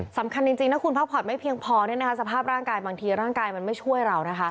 สำคัญจริงถ้าคุณพักผ่อนไม่เพียงพอสภาพร่างกายบางทีร่างกายมันไม่ช่วยเรานะคะ